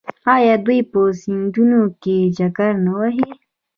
آیا دوی په سیندونو کې چکر نه وهي؟